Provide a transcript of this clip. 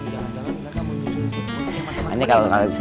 kalau kalau senyumnya ngomong assalamualaikum